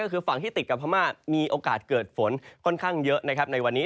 ก็คือฝั่งที่ติดกับพม่ามีโอกาสเกิดฝนค่อนข้างเยอะนะครับในวันนี้